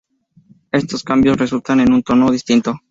Estos cambios resultan en un tono distinto.